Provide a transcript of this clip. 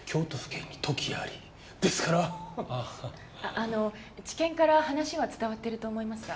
あの地検から話は伝わってると思いますが。